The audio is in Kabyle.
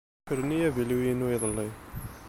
Ukren-iyi avilu-inu iḍelli.